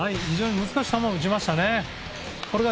非常に難しい球を打ちましたね。